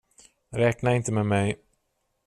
Räkna inte med mig.